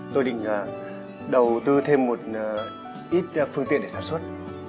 tôi định đầu tư thêm một ít phương tiện để sản xuất